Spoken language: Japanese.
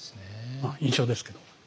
まあ印象ですけど。